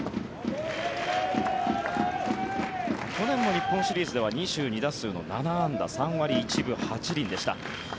去年の日本シリーズでは２２打数７安打３割１分８厘でした。